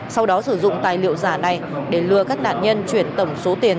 sau đó sử dụng tài liệu giả này để lừa các nạn nhân chuyển tổng số tiền